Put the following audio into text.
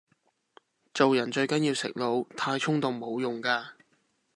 做人最緊要食腦，太衝動無用架